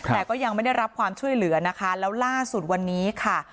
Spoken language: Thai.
แต่ก็ยังไม่ได้รับความช่วยเหลือนะคะแล้วล่าสุดวันนี้ค่ะ